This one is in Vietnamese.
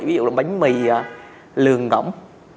ví dụ là bánh mì lường đỏng